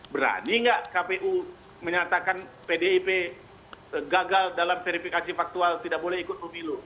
berani nggak kpu menyatakan pdip gagal dalam verifikasi faktual tidak boleh ikut pemilu